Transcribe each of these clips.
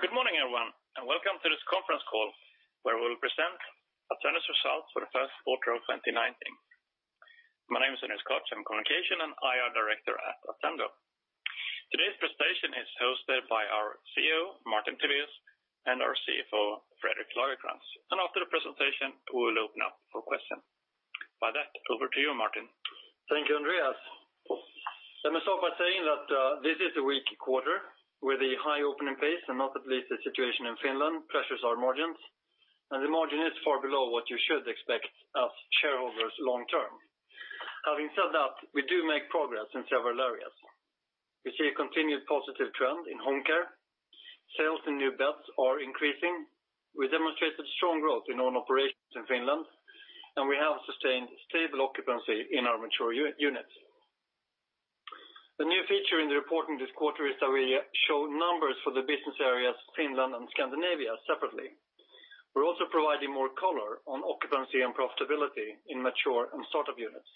Good morning, everyone, and welcome to this conference call where we'll present Attendo's results for the first quarter of 2019. My name is Andreas Koch. I'm Communication and IR Director at Attendo. Today's presentation is hosted by our CEO, Martin Tivéus, and our CFO, Fredrik Lagercrantz. After the presentation, we will open up for questions. By that, over to you, Martin. Thank you, Andreas. Let me start by saying that this is a weak quarter with a high opening pace and not least the situation in Finland pressures our margins. The margin is far below what you should expect as shareholders long-term. Having said that, we do make progress in several areas. We see a continued positive trend in home care. Sales in new beds are increasing. We demonstrated strong growth in own operations in Finland, and we have sustained stable occupancy in our mature units. The new feature in the reporting this quarter is that we show numbers for the business areas Finland and Scandinavia separately. We're also providing more color on occupancy and profitability in mature and startup units.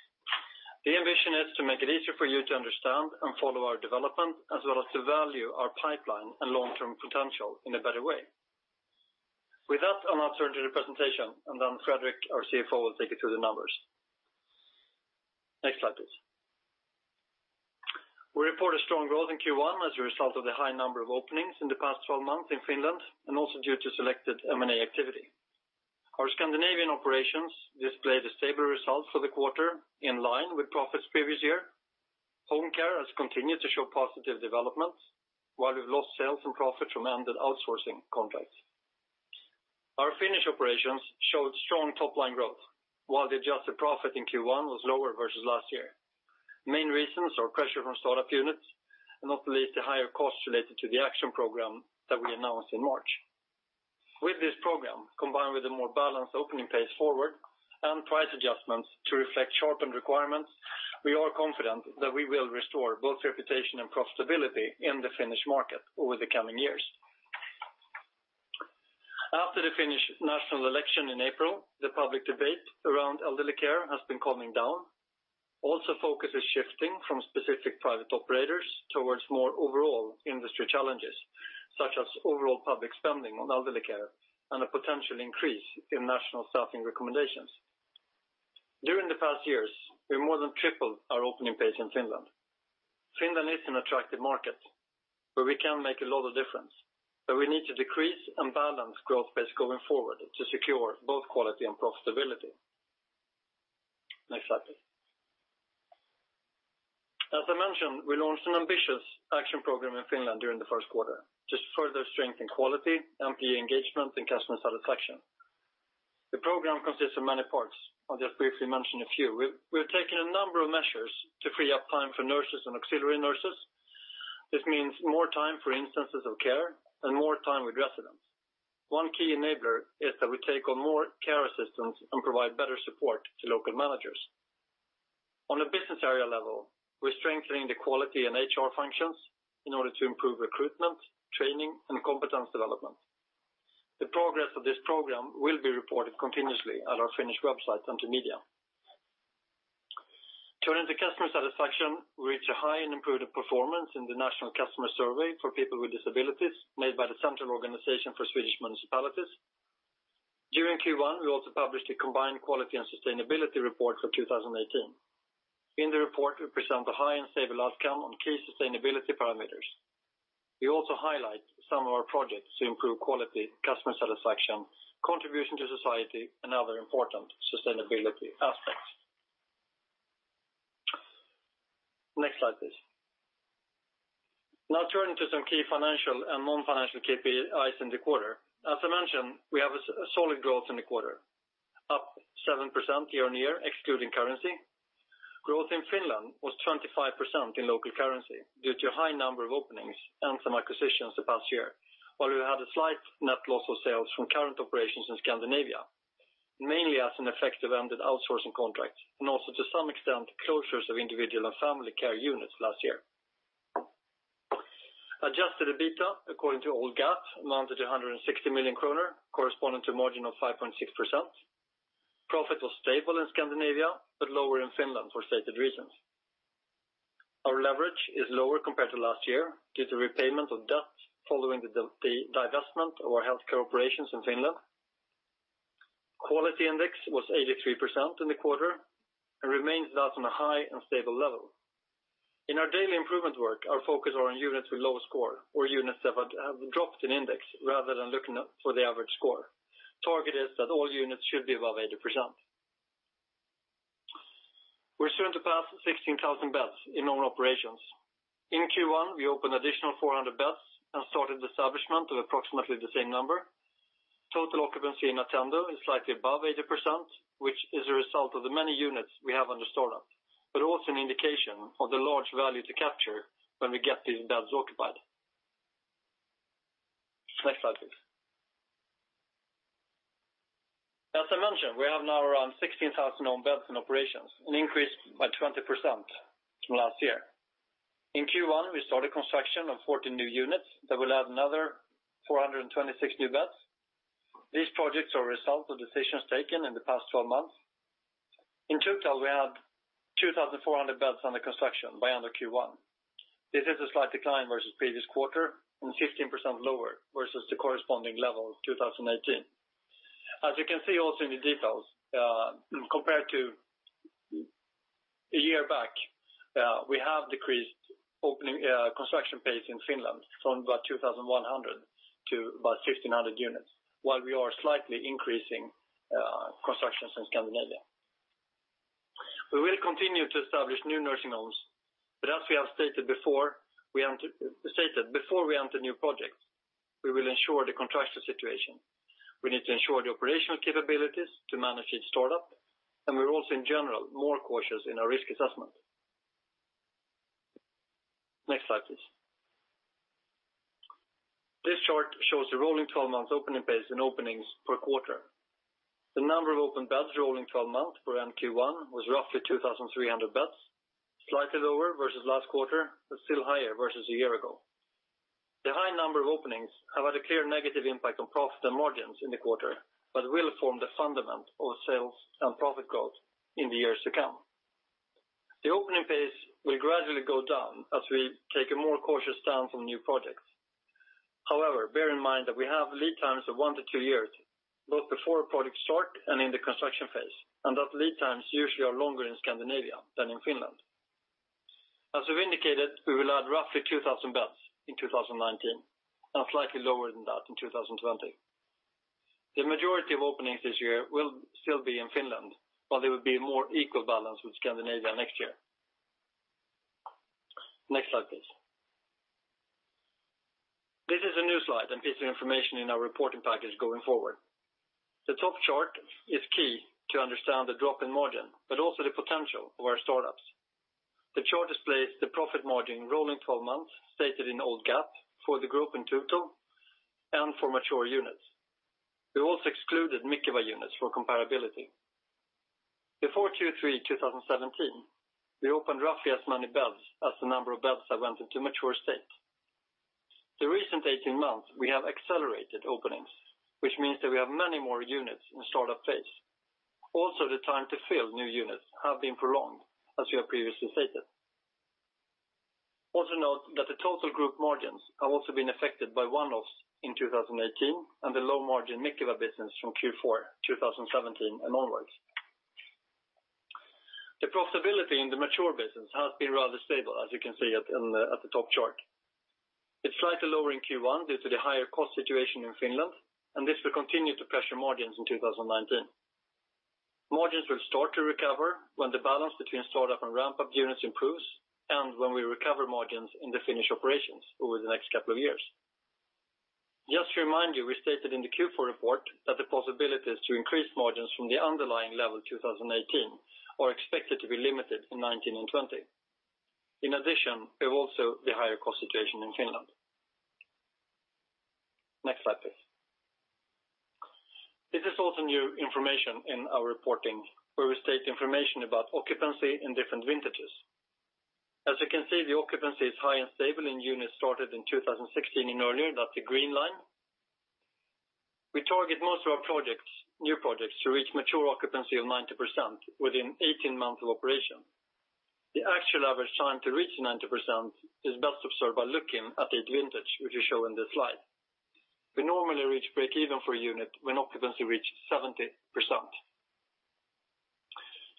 The ambition is to make it easier for you to understand and follow our development, as well as to value our pipeline and long-term potential in a better way. With that, I'll now turn to the presentation. Then Fredrik, our CFO, will take you through the numbers. Next slide, please. We report a strong growth in Q1 as a result of the high number of openings in the past 12 months in Finland and also due to selected M&A activity. Our Scandinavian operations displayed a stable result for the quarter in line with profits previous year. Home care has continued to show positive developments, while we've lost sales and profit from ended outsourcing contracts. Our Finnish operations showed strong top-line growth, while the adjusted profit in Q1 was lower versus last year. Main reasons are pressure from startup units and not least the higher costs related to the action program that we announced in March. With this program, combined with a more balanced opening pace forward and price adjustments to reflect shortened requirements, we are confident that we will restore both reputation and profitability in the Finnish market over the coming years. After the Finnish national election in April, the public debate around elderly care has been calming down. Also focus is shifting from specific private operators towards more overall industry challenges, such as overall public spending on elderly care and a potential increase in national staffing recommendations. During the past years, we've more than tripled our opening pace in Finland. Finland is an attractive market where we can make a lot of difference. We need to decrease and balance growth pace going forward to secure both quality and profitability. Next slide, please. As I mentioned, we launched an ambitious action program in Finland during the first quarter to further strengthen quality, employee engagement, and customer satisfaction. The program consists of many parts. I'll just briefly mention a few. We've taken a number of measures to free up time for nurses and auxiliary nurses. This means more time for instances of care and more time with residents. One key enabler is that we take on more care assistants and provide better support to local managers. On a business area level, we're strengthening the quality and HR functions in order to improve recruitment, training, and competence development. The progress of this program will be reported continuously at our Finnish website and to media. Turning to customer satisfaction, we reach a high and improving performance in the National Customer Survey for people with disabilities made by the Swedish Association of Local Authorities and Regions. During Q1, we also published a combined quality and sustainability report for 2018. In the report, we present a high and stable outcome on key sustainability parameters. We also highlight some of our projects to improve quality, customer satisfaction, contribution to society, and other important sustainability aspects. Next slide, please. Turning to some key financial and non-financial KPIs in the quarter. As I mentioned, we have a solid growth in the quarter, up 7% year-over-year excluding currency. Growth in Finland was 25% in local currency due to a high number of openings and some acquisitions the past year, while we had a slight net loss of sales from current operations in Scandinavia, mainly as an effect of ended outsourcing contracts and also to some extent closures of individual and family care units last year. Adjusted EBITDA according to old GAAP amounted to 160 million kronor, corresponding to a margin of 5.6%. Profit was stable in Scandinavia, but lower in Finland for stated reasons. Our leverage is lower compared to last year due to repayment of debt following the divestment of our health care operations in Finland. Quality Index was 83% in the quarter and remains thus on a high and stable level. In our daily improvement work, our focus are on units with low score or units that have dropped in index rather than looking for the average score. Target is that all units should be above 80%. We're soon to pass 16,000 beds in own operations. In Q1, we opened additional 400 beds and started establishment of approximately the same number. Total occupancy in Attendo is slightly above 80%, which is a result of the many units we have under startup, but also an indication of the large value to capture when we get these beds occupied. Next slide, please. As I mentioned, we have now around 16,000 own beds in operations, an increase by 20% from last year. In Q1, we started construction of fourteen new units that will add another 426 new beds. These projects are a result of decisions taken in the past twelve months. In total, we had 2,400 beds under construction by end of Q1. This is a slight decline versus previous quarter and 15% lower versus the corresponding level of 2018. As you can see also in the details, compared to a year back, we have decreased construction pace in Finland from about 2,100 to about 1,500 units, while we are slightly increasing constructions in Scandinavia. We will continue to establish new nursing homes. As we have stated before we enter new projects, we will ensure the contractual situation. We need to ensure the operational capabilities to manage each start-up, we are also in general more cautious in our risk assessment. Next slide, please. This chart shows the rolling 12 months opening pace and openings per quarter. The number of open beds rolling 12 months for NQ1 was roughly 2,300 beds, slightly lower versus last quarter, but still higher versus a year ago. The high number of openings have had a clear negative impact on profit and margins in the quarter, but will form the fundament of sales and profit growth in the years to come. The opening pace will gradually go down as we take a more cautious stand from new projects. Bear in mind that we have lead times of one to two years, both before a project start and in the construction phase, that lead times usually are longer in Scandinavia than in Finland. As we've indicated, we will add roughly 2,000 beds in 2019, slightly lower than that in 2020. The majority of openings this year will still be in Finland, it will be more equal balance with Scandinavia next year. Next slide, please. This is a new slide and piece of information in our reporting package going forward. The top chart is key to understand the drop in margin, also the potential of our start-ups. The chart displays the profit margin rolling 12 months, stated in old GAAP for the group in total and for mature units. We also excluded Mikeva units for comparability. Before Q3 2017, we opened roughly as many beds as the number of beds that went into mature state. The recent 18 months, we have accelerated openings, which means that we have many more units in start-up phase. The time to fill new units have been prolonged, as we have previously stated. Note that the total group margins have also been affected by one-offs in 2018 and the low margin Mikeva business from Q4 2017 and onwards. The profitability in the mature business has been rather stable, as you can see at the top chart. It's slightly lower in Q1 due to the higher cost situation in Finland, this will continue to pressure margins in 2019. Margins will start to recover when the balance between start-up and ramp-up units improves and when we recover margins in the Finnish operations over the next couple of years. Just to remind you, we stated in the Q4 report that the possibilities to increase margins from the underlying level 2018 are expected to be limited in 2019 and 2020. We have also the higher cost situation in Finland. Next slide, please. This is new information in our reporting where we state information about occupancy in different vintages. As you can see, the occupancy is high and stable in units started in 2016 and earlier. That's the green line. We target most of our new projects to reach mature occupancy of 90% within 18 months of operation. The actual average time to reach 90% is best observed by looking at each vintage, which is shown in this slide. We normally reach break even for a unit when occupancy reaches 70%.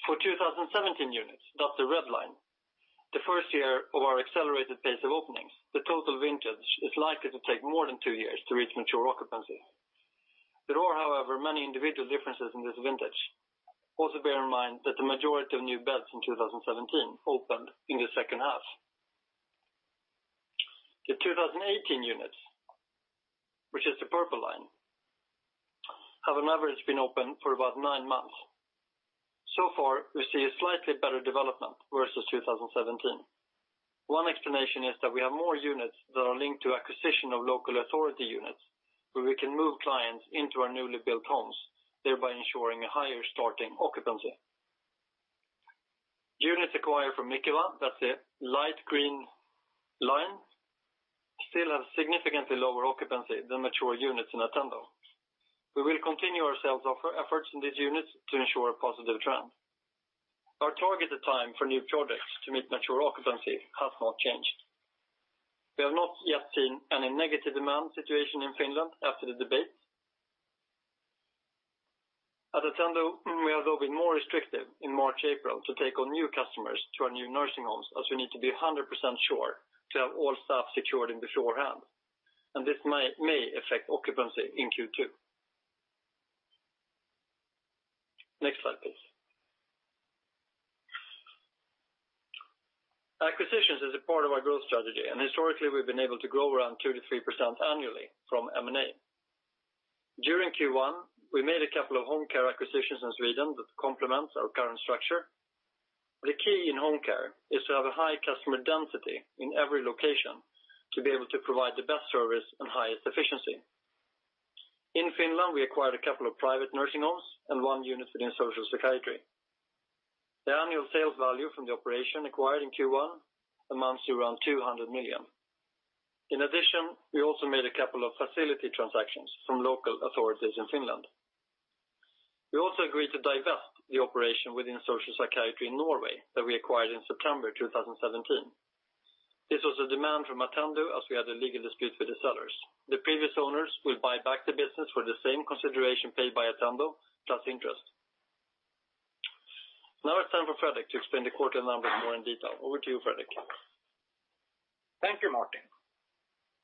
For 2017 units, that's the red line. The first year of our accelerated pace of openings, the total vintage is likely to take more than two years to reach mature occupancy. There are, however, many individual differences in this vintage. Also bear in mind that the majority of new beds in 2017 opened in the second half. The 2018 units, which is the purple line, have on average been open for about nine months. So far, we see a slightly better development versus 2017. One explanation is that we have more units that are linked to acquisition of local authority units, where we can move clients into our newly built homes, thereby ensuring a higher starting occupancy. Units acquired from Mikeva, that's the light green line, still have significantly lower occupancy than mature units in Attendo. We will continue our sales offer efforts in these units to ensure a positive trend. Our targeted time for new projects to meet mature occupancy has not changed. We have not yet seen any negative demand situation in Finland after the debate. At Attendo, we are a little bit more restrictive in March, April, to take on new customers to our new nursing homes as we need to be 100% sure to have all staff secured in beforehand. This may affect occupancy in Q2. Next slide, please. Acquisitions is a part of our growth strategy, historically we've been able to grow around 2%-3% annually from M&A. During Q1, we made a couple of home care acquisitions in Sweden that complement our current structure. The key in home care is to have a high customer density in every location to be able to provide the best service and highest efficiency. In Finland, we acquired a couple of private nursing homes and one unit within social psychiatry. The annual sales value from the operation acquired in Q1 amounts to around 200 million. In addition, we also made a couple of facility transactions from local authorities in Finland. We also agreed to divest the operation within social psychiatry in Norway that we acquired in September 2017. This was a demand from Attendo as we had a legal dispute with the sellers. The previous owners will buy back the business for the same consideration paid by Attendo plus interest. It's time for Fredrik to explain the quarter numbers more in detail. Over to you, Fredrik. Thank you, Martin.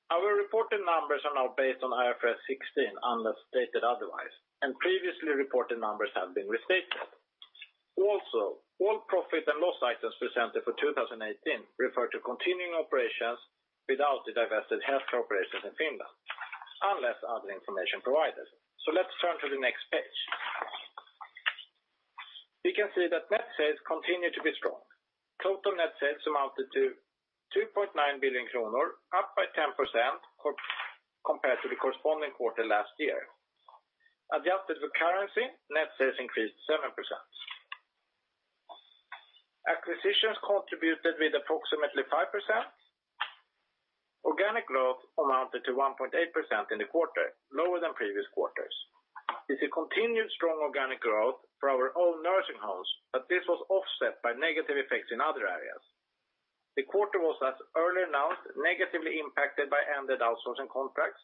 Our reported numbers are now based on IFRS 16, unless stated otherwise, previously reported numbers have been restated. All profit and loss items presented for 2018 refer to continuing operations without the divested healthcare operations in Finland, unless other information provided. Let's turn to the next page. We can see that net sales continue to be strong. Total net sales amounted to 2.9 billion kronor, up by 10% compared to the corresponding quarter last year. Adjusted for currency, net sales increased 7%. Acquisitions contributed with approximately 5%. Organic growth amounted to 1.8% in the quarter, lower than previous quarters. It's a continued strong organic growth for our own nursing homes, this was offset by negative effects in other areas. The quarter was, as earlier announced, negatively impacted by ended outsourcing contracts.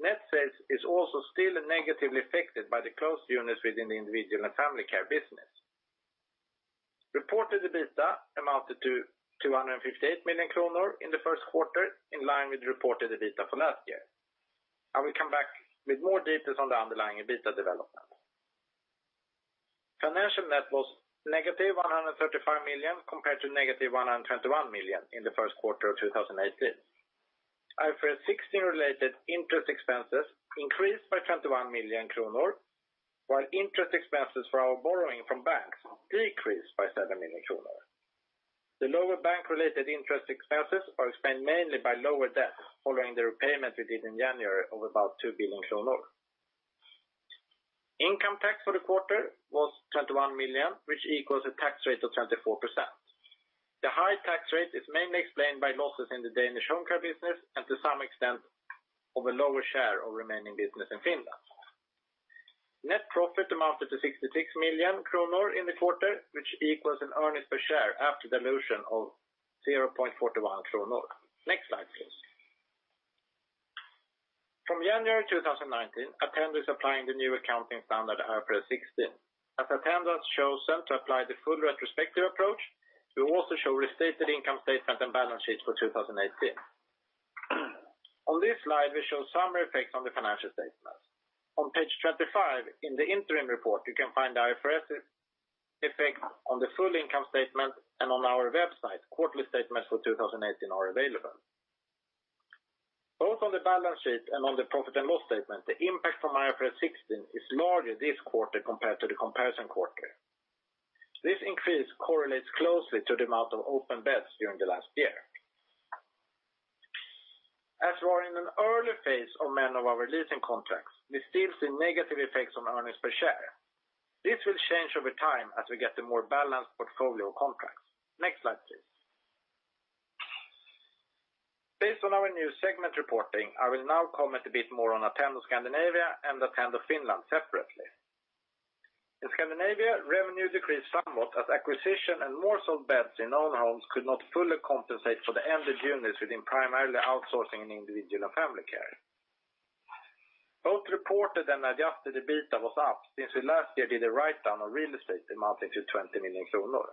Net sales is also still negatively affected by the closed units within the individual and family care business. Reported EBITDA amounted to 258 million kronor in the first quarter, in line with reported EBITDA for last year. I will come back with more details on the underlying EBITDA development. Financial net was negative 135 million compared to negative 121 million in the first quarter of 2018. IFRS 16-related interest expenses increased by 21 million kronor, while interest expenses for our borrowing from banks decreased by 7 million kronor. The lower bank-related interest expenses are explained mainly by lower debt following the repayment we did in January of about 2 billion kronor. Income tax for the quarter was 21 million, which equals a tax rate of 24%. The high tax rate is mainly explained by losses in the Danish home care business and to some extent of a lower share of remaining business in Finland. Net profit amounted to 66 million kronor in the quarter, which equals an earnings per share after dilution of 0.41 kronor. Next slide, please. From January 2019, Attendo is applying the new accounting standard IFRS 16. As Attendo has chosen to apply the full retrospective approach, we will also show restated income statement and balance sheet for 2018. On this slide, we show summary effects on the financial statements. On page 25 in the interim report, you can find IFRS' effect on the full income statement and on our website, quarterly statements for 2018 are available. Both on the balance sheet and on the profit and loss statement, the impact from IFRS 16 is larger this quarter compared to the comparison quarter. This increase correlates closely to the amount of open beds during the last year. As we are in an early phase of many of our leasing contracts, this still has the negative effects on earnings per share. This will change over time as we get a more balanced portfolio of contracts. Next slide, please. Based on our new segment reporting, I will now comment a bit more on Attendo Scandinavia and Attendo Finland separately. In Scandinavia, revenue decreased somewhat as acquisition and more sold beds in owned homes could not fully compensate for the ended units within primarily outsourcing and individual and family care. Both reported and adjusted EBITDA was up since we last year did a write-down on real estate amounting to 20 million kronor.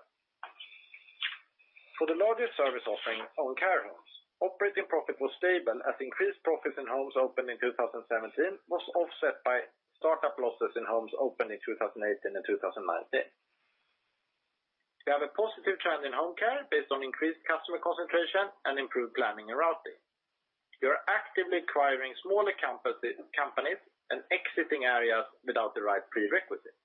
For the largest service offering, own care homes, operating profit was stable as increased profits in homes opened in 2017 was offset by startup losses in homes opened in 2018 and 2019. We have a positive trend in home care based on increased customer concentration and improved planning and routing. We are actively acquiring smaller companies and exiting areas without the right prerequisites.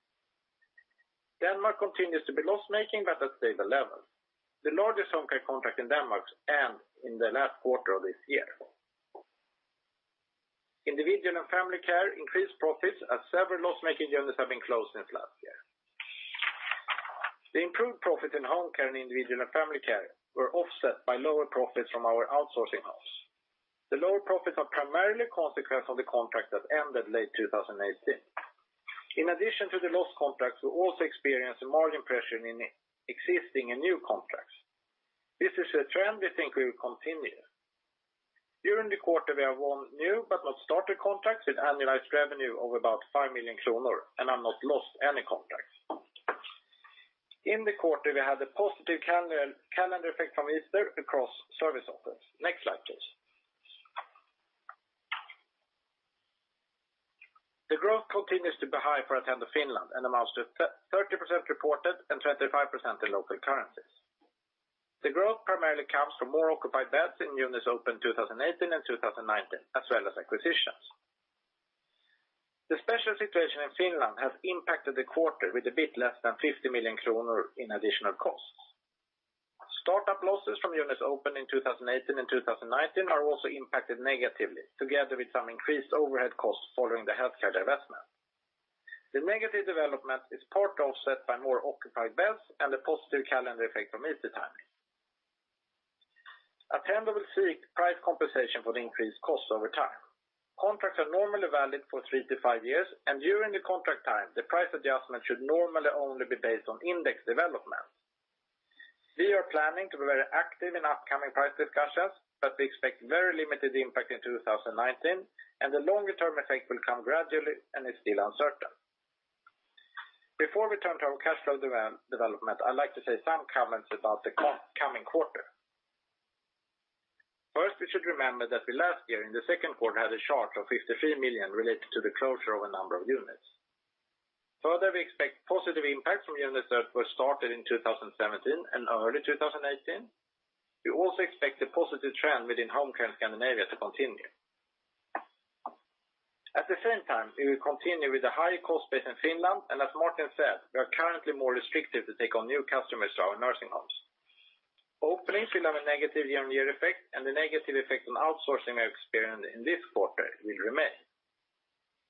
Denmark continues to be loss-making but at stable levels. The largest home care contract in Denmark ends in the last quarter of this year. Individual and family care increased profits as several loss-making units have been closed since last year. The improved profits in home care and individual and family care were offset by lower profits from our outsourcing homes. The lower profits are primarily a consequence of the contract that ended late 2018. In addition to the lost contracts, we also experienced a margin pressure in existing and new contracts. This is a trend we think will continue. During the quarter, we have won new but not started contracts with annualized revenue of about 5 million kronor and have not lost any contracts. In the quarter, we had a positive calendar effect from Easter across service offers. Next slide, please. The growth continues to be high for Attendo Finland and amounts to 30% reported and 25% in local currencies. The growth primarily comes from more occupied beds in units opened 2018 and 2019, as well as acquisitions. The special situation in Finland has impacted the quarter with a bit less than 50 million kronor in additional costs. Startup losses from units opened in 2018 and 2019 are also impacted negatively, together with some increased overhead costs following the healthcare divestment. The negative development is part offset by more occupied beds and the positive calendar effect from Easter timing. Attendo will seek price compensation for the increased cost over time. Contracts are normally valid for 3-5 years, and during the contract time, the price adjustment should normally only be based on index development. We are planning to be very active in upcoming price discussions, but we expect very limited impact in 2019, and the longer-term effect will come gradually and is still uncertain. Before we turn to our cash flow development, I'd like to say some comments about the coming quarter. First, we should remember that the last year in the second quarter had a charge of 53 million related to the closure of a number of units. Further, we expect positive impact from units that were started in 2017 and early 2018. We also expect the positive trend within home care in Scandinavia to continue. At the same time, we will continue with the high cost base in Finland, and as Martin said, we are currently more restrictive to take on new customers to our nursing homes. Opening will have a negative year-on-year effect, and the negative effect on outsourcing our experience in this quarter will remain.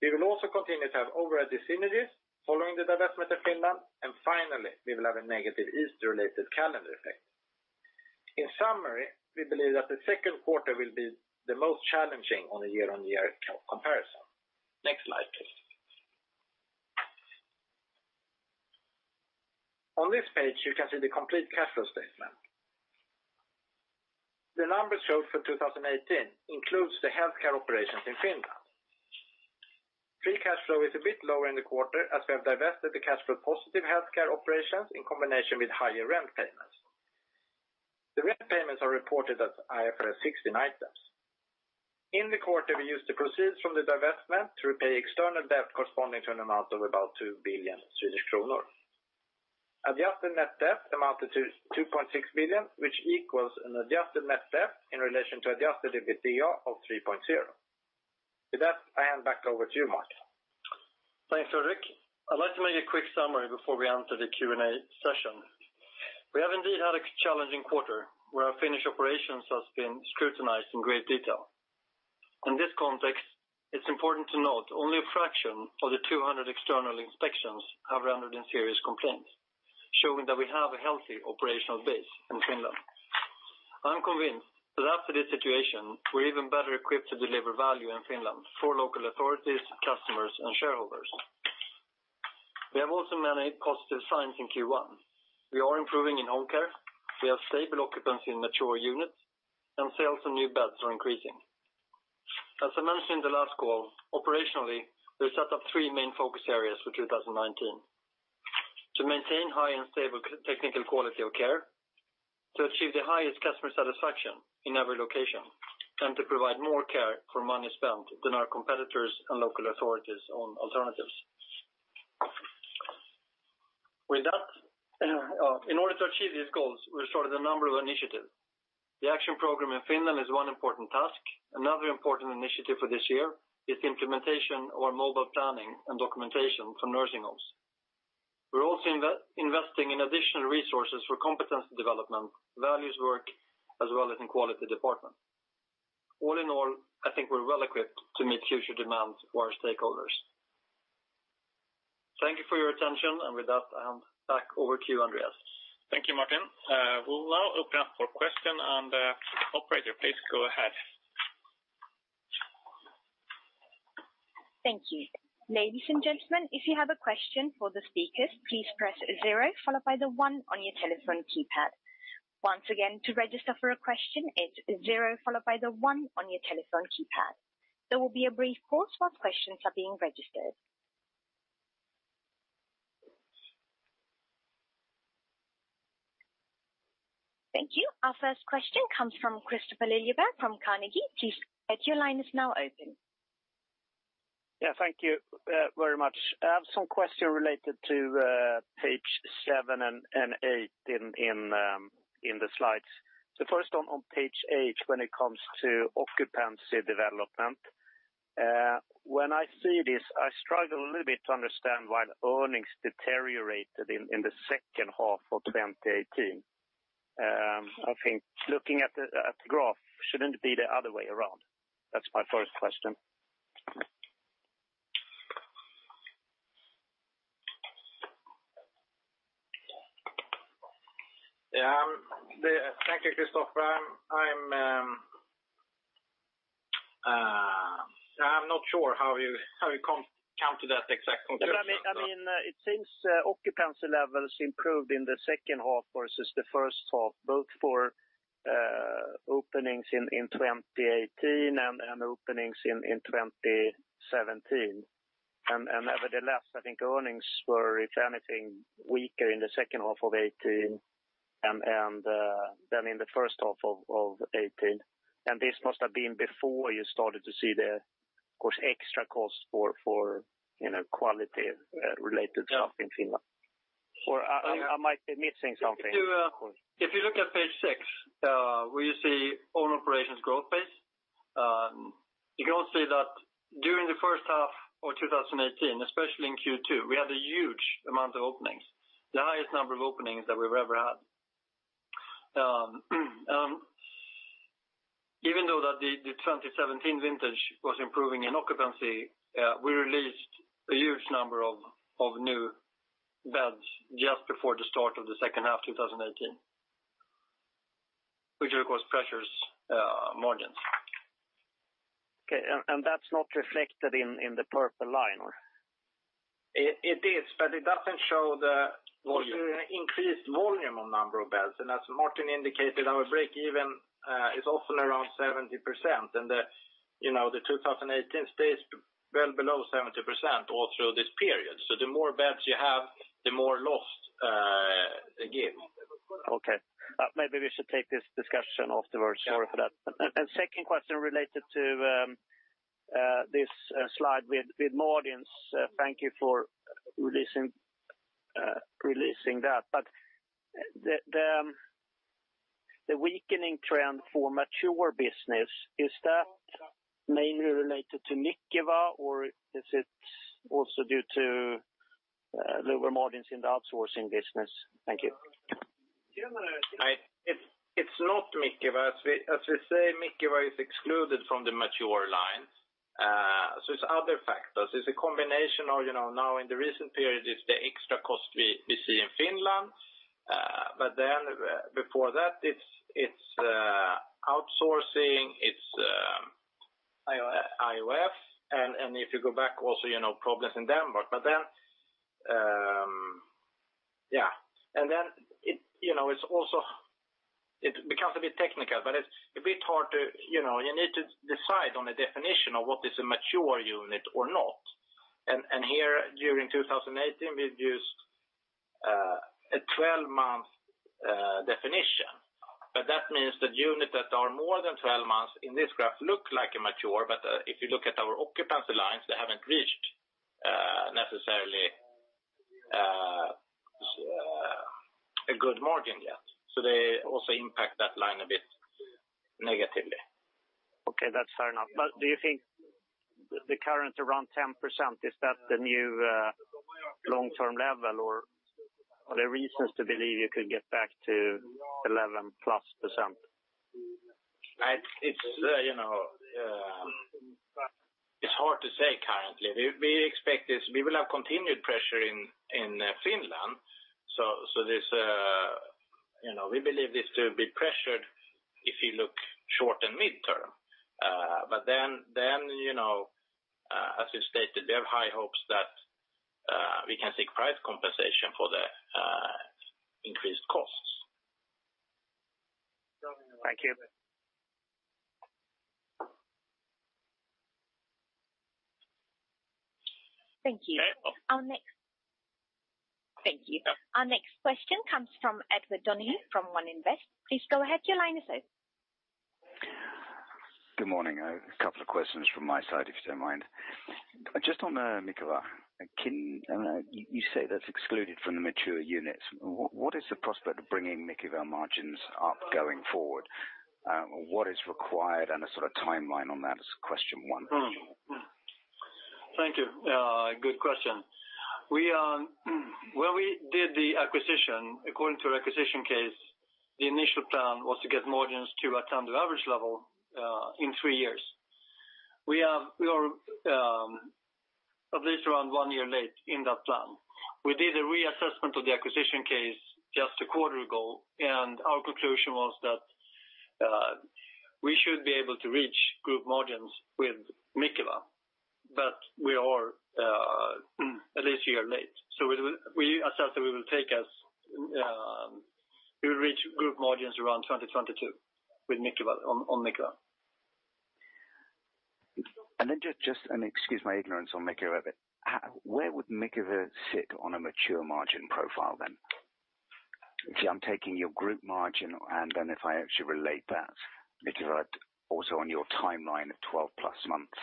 We will also continue to have overhead synergies following the divestment in Finland, and finally, we will have a negative Easter-related calendar effect. In summary, we believe that the second quarter will be the most challenging on a year-on-year comparison. Next slide, please. On this page, you can see the complete cash flow statement. The numbers showed for 2018 includes the healthcare operations in Finland. Free cash flow is a bit lower in the quarter as we have divested the cash flow positive healthcare operations in combination with higher rent payments. The rent payments are reported as IFRS 16 items. In the quarter, we used the proceeds from the divestment to repay external debt corresponding to an amount of about 2 billion Swedish kronor. Adjusted net debt amounted to 2.6 billion, which equals an adjusted net debt in relation to adjusted EBITDA of 3.0. With that, I hand back over to you, Martin. Thanks, Ulf Lundahl. I'd like to make a quick summary before we enter the Q&A session. We have indeed had a challenging quarter where our Finnish operations has been scrutinized in great detail. In this context, it's important to note only a fraction of the 200 external inspections have rendered in serious complaints, showing that we have a healthy operational base in Finland. I'm convinced that after this situation, we're even better equipped to deliver value in Finland for local authorities, customers, and shareholders. We have also many positive signs in Q1. We are improving in home care. We have stable occupancy in mature units, and sales and new beds are increasing. As I mentioned the last call, operationally, we set up three main focus areas for 2019. To maintain high and stable technical quality of care, to achieve the highest customer satisfaction in every location, and to provide more care for money spent than our competitors and local authorities on alternatives. In order to achieve these goals, we started a number of initiatives. The action program in Finland is one important task. Another important initiative for this year is the implementation of our mobile planning and documentation for nursing homes. We're also investing in additional resources for competency development, values work, as well as in quality department. All in all, I think we're well-equipped to meet future demands for our stakeholders. Thank you for your attention. With that, I hand back over to you, Andreas Koch. Thank you, Martin Tivéus. We'll now open up for question, and operator, please go ahead. Thank you. Ladies and gentlemen, if you have a question for the speakers, please press zero followed by the one on your telephone keypad. Once again, to register for a question, it's zero followed by the one on your telephone keypad. There will be a brief pause while questions are being registered. Thank you. Our first question comes from Christoffer Ljungberg from Carnegie. Please, your line is now open. Yeah. Thank you very much. I have some question related to page seven and eight in the slides. First on page eight when it comes to occupancy development. When I see this, I struggle a little bit to understand why the earnings deteriorated in the second half of 2018. I think looking at the graph, shouldn't it be the other way around? That's my first question. Yeah. Thank you, Christoffer. I'm not sure how you come to that exact conclusion. I mean, it seems occupancy levels improved in the second half versus the first half, both for openings in 2018 and openings in 2017. Nevertheless, I think earnings were, if anything, weaker in the second half of 2018 than in the first half of 2018. This must have been before you started to see the, of course, extra cost for quality-related stuff in Finland. Or am I missing something? If you look at page six where you see all operations growth base, you can also see that during the first half of 2018, especially in Q2, we had a huge amount of openings, the highest number of openings that we've ever had. The 2017 vintage was improving in occupancy. We released a huge number of new beds just before the start of the second half 2018, which of course pressures margins. Okay. That's not reflected in the purple line? It is, but it doesn't show. Volume increased volume of number of beds. As Martin indicated, our break even is often around 70%. The 2018 stays well below 70% all through this period. The more beds you have, the more loss again. Okay. Maybe we should take this discussion afterwards. Sure Sorry for that. Second question related to this slide with margins. Thank you for releasing that. The weakening trend for mature business, is that mainly related to Mikeva, or is it also due to lower margins in the outsourcing business? Thank you. It's not Mikeva. As we say, Mikeva is excluded from the mature line. It's other factors. It's a combination of, now in the recent period, it's the extra cost we see in Finland. Before that, it's outsourcing, it's IOF, and if you go back also, problems in Denmark. It becomes a bit technical, but you need to decide on a definition of what is a mature unit or not. Here during 2018, we've used a 12-month definition. That means that units that are more than 12 months in this graph look like a mature, but if you look at our occupancy lines, they haven't reached necessarily a good margin yet. They also impact that line a bit negatively. Okay, that's fair enough. Do you think the current around 10%, is that the new long-term level, or are there reasons to believe you could get back to 11-plus%? It's hard to say currently. We will have continued pressure in Finland. We believe this to be pressured if you look short and midterm. As we stated, we have high hopes that we can seek price compensation for the increased costs. Thank you. Thank you. Our next question comes from Edward Donahue from One Invest. Please go ahead, your line is open. Good morning. A couple of questions from my side, if you don't mind. Just on Mikeva. You say that's excluded from the mature units. What is the prospect of bringing Mikeva margins up going forward? What is required and a sort of timeline on that, is question one. Thank you. Good question. When we did the acquisition, according to our acquisition case, the initial plan was to get margins to Attendo average level, in three years. We are at least around one year late in that plan. We did a reassessment of the acquisition case just a quarter ago, and our conclusion was that we should be able to reach group margins with Mikeva, but we are at least a year late. We assert that we will reach group margins around 2022 on Mikeva. Excuse my ignorance on Mikeva a bit. Where would Mikeva sit on a mature margin profile then? If I am taking your group margin, if I actually relate that Mikeva also on your timeline of 12-plus months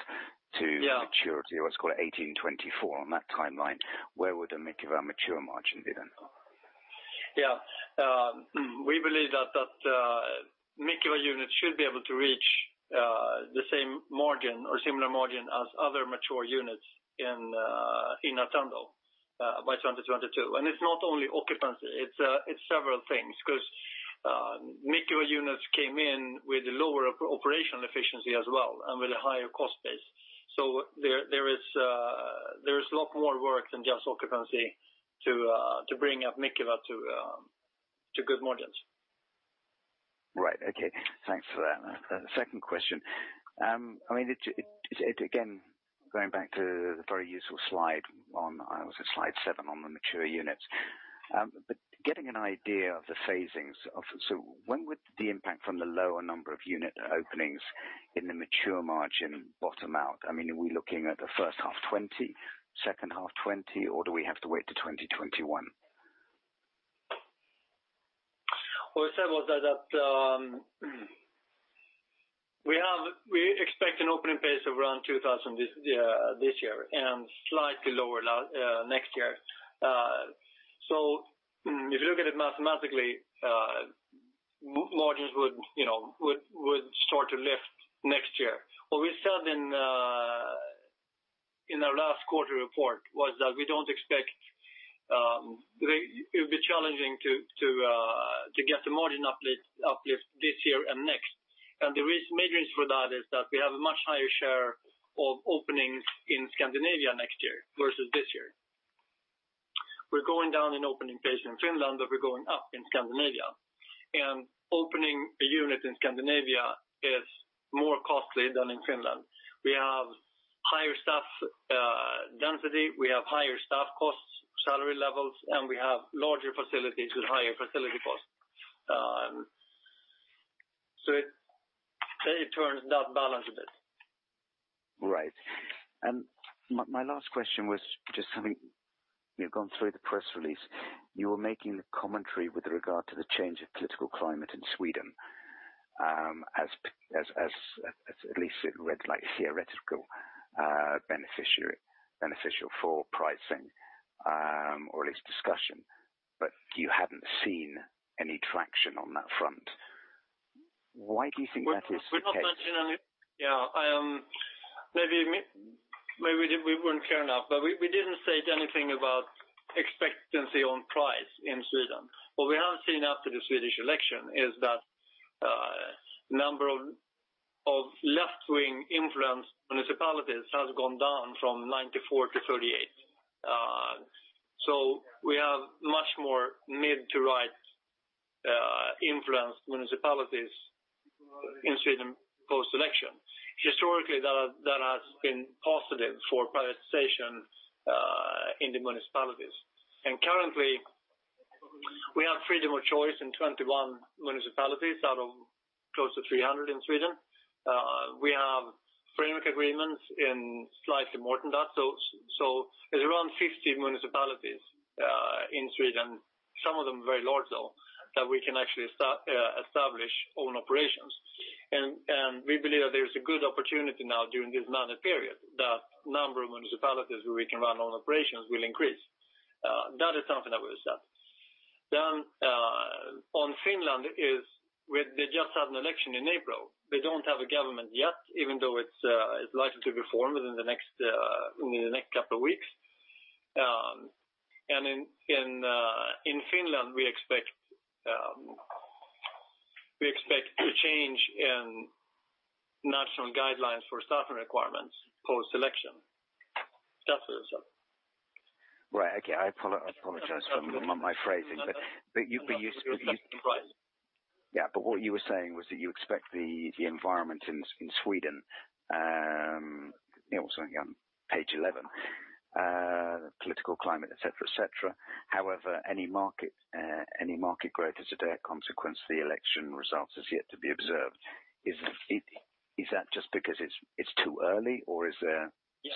to- Yeah maturity, what's called 18/24 on that timeline, where would the Mikeva mature margin be then? We believe that Mikeva units should be able to reach the same margin or similar margin as other mature units in Attendo by 2022. It's not only occupancy, it's several things. Because Mikeva units came in with lower operational efficiency as well, with a higher cost base. There is a lot more work than just occupancy to bring up Mikeva to good margins. Right. Okay. Thanks for that. Second question. Again, going back to the very useful slide, it was slide seven on the mature units. Getting an idea of the phasings. When would the impact from the lower number of unit openings in the mature margin bottom out? Are we looking at the first half 2020, second half 2020, or do we have to wait to 2021? What I said was that we expect an opening pace of around 2,000 this year and slightly lower next year. If you look at it mathematically, margins would start to lift next year. What we said in Last quarter report was that it will be challenging to get the margin uplift this year and next. The main reason for that is that we have a much higher share of openings in Scandinavia next year versus this year. We're going down in opening base in Finland, but we're going up in Scandinavia. Opening a unit in Scandinavia is more costly than in Finland. We have higher staff density, we have higher staff costs, salary levels, and we have larger facilities with higher facility costs. It turns that balance a bit. Right. My last question was just something. We've gone through the press release. You were making the commentary with regard to the change of political climate in Sweden, at least it read like theoretical beneficial for pricing, or at least discussion. You haven't seen any traction on that front. Why do you think that is the case? Maybe we weren't clear enough, but we didn't say anything about expectancy on price in Sweden. What we have seen after the Swedish election is that number of left-wing influenced municipalities has gone down from 94 to 38. We have much more mid to right influenced municipalities in Sweden post-election. Historically, that has been positive for privatization in the municipalities. Currently we have freedom of choice in 21 municipalities out of close to 300 in Sweden. We have framework agreements in slightly more than that. It's around 50 municipalities in Sweden, some of them very large, though, that we can actually establish own operations. We believe that there is a good opportunity now during this managed period that number of municipalities where we can run own operations will increase. That is something that we have said. On Finland is they just had an election in April. They don't have a government yet, even though it's likely to be formed within the next couple of weeks. In Finland, we expect a change in national guidelines for staffing requirements post-election. That's what I said. Right. Okay. I apologize for my phrasing. price. Yeah. What you were saying was that you expect the environment in Sweden, also on page 11, political climate, et cetera. However, any market growth as a direct consequence of the election results is yet to be observed. Is that just because it's too early, or is there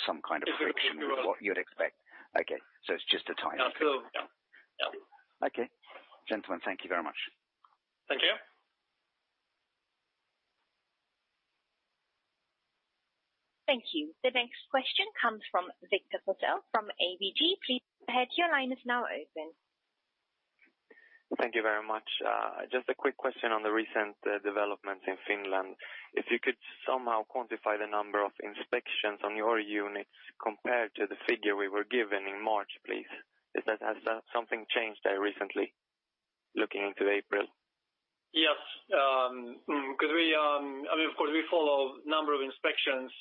some kind of friction? It's a bit too early. from what you'd expect? Okay, it's just the timing. Absolutely. Yeah. Okay. Gentlemen, thank you very much. Thank you. Thank you. The next question comes from Viktor Forssell from ABG. Please go ahead. Your line is now open. Thank you very much. Just a quick question on the recent developments in Finland. If you could somehow quantify the number of inspections on your units compared to the figure we were given in March, please. Has something changed there recently looking into April? Yes. Of course, we follow number of inspections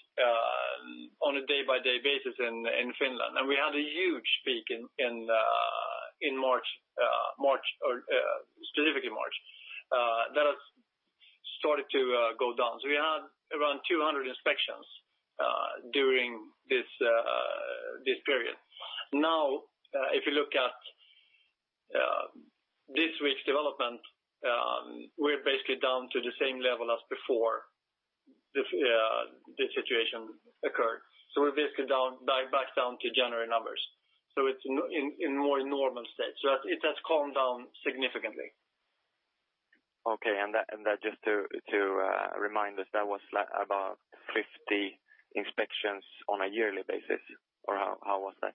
on a day-by-day basis in Finland, and we had a huge peak in March, specifically March. That has started to go down. We had around 200 inspections during this period. Now if you look at this week's development, we're basically down to the same level as before this situation occurred. We're basically back down to January numbers. It's in more normal state. It has calmed down significantly. Okay. Just to remind us, that was about 50 inspections on a yearly basis, or how was that?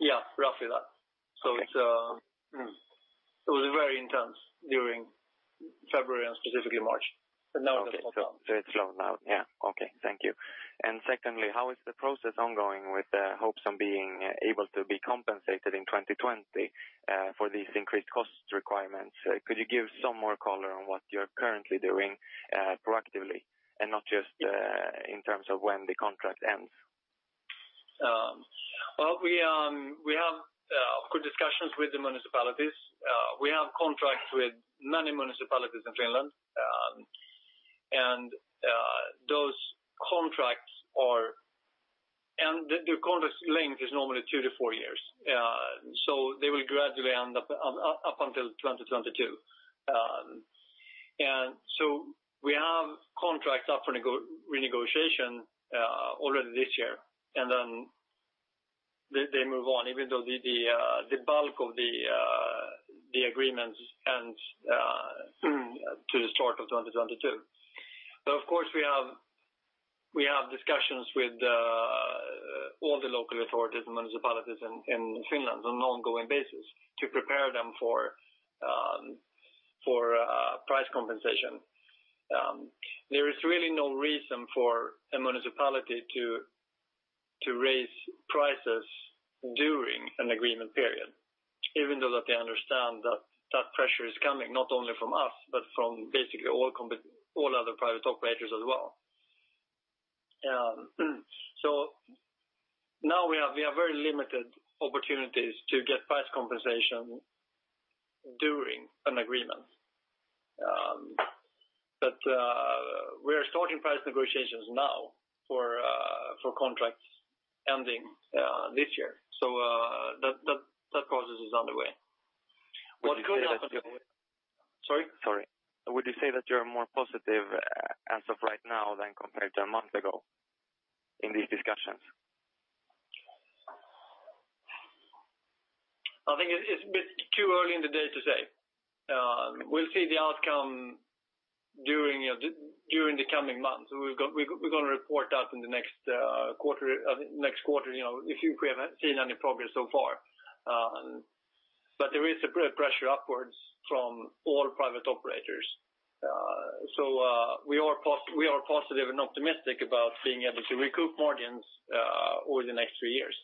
Yeah, roughly that. Okay. It was very intense during February and specifically March, but now it has gone down. It is slow now. Yeah. Okay. Thank you. Secondly, how is the process ongoing with the hopes on being able to be compensated in 2020 for these increased cost requirements? Could you give some more color on what you are currently doing proactively and not just in terms of when the contract ends? Well, we have good discussions with the municipalities. We have contracts with many municipalities in Finland, and the contract length is normally two to four years. They will gradually end up until 2022. We have contracts up for renegotiation already this year, and then they move on even though the bulk of the agreements ends to the start of 2022. But of course we have discussions with all the local authorities and municipalities in Finland on an ongoing basis to prepare them for price compensation. There is really no reason for a municipality to raise prices during an agreement period, even though that they understand that that pressure is coming not only from us, but from basically all other private operators as well. Now we have very limited opportunities to get price compensation during an agreement. We are starting price negotiations now for contracts ending this year. That process is underway. What could happen. Would you say that you're. Sorry? Sorry. Would you say that you're more positive as of right now than compared to a month ago in these discussions? I think it's a bit too early in the day to say. We'll see the outcome during the coming months. We're going to report that in the next quarter, if we have seen any progress so far. There is a pressure upwards from all private operators. We are positive and optimistic about being able to recoup margins over the next three years.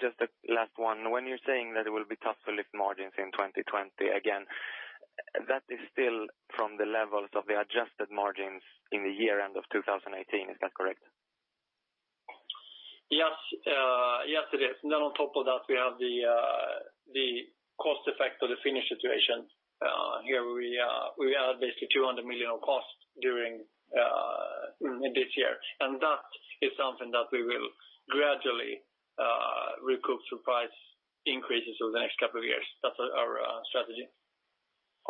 Just the last one, when you're saying that it will be tough to lift margins in 2020 again, that is still from the levels of the adjusted margins in the year end of 2018. Is that correct? Yes, it is. On top of that, we have the cost effect of the Finnish situation. Here we are basically 200 million of costs during this year. That is something that we will gradually recoup through price increases over the next couple of years. That's our strategy.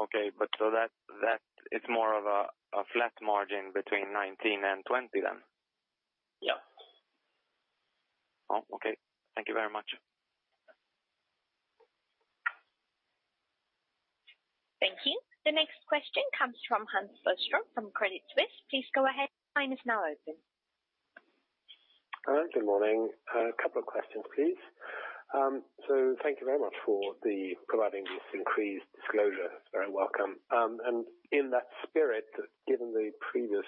Okay. That is more of a flat margin between 2019 and 2020 then? Yeah. Okay. Thank you very much. Thank you. The next question comes from Hans Boström from Credit Suisse. Please go ahead. Line is now open. Good morning. A couple of questions, please. Thank you very much for providing this increased disclosure. It's very welcome. In that spirit, given the previous